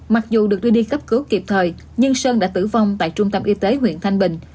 mặc dù được đưa đi cấp cứu kịp thời nhưng sơn đã tử vong tại trung tâm y tế huyện thanh bình